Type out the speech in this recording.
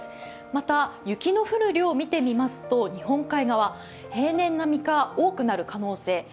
また、雪の降る量を見てみますと日本海側、平年並みか多くなる可能性。